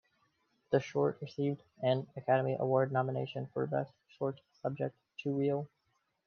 The short received an Academy Award nomination for Best Short Subject, Two-reel.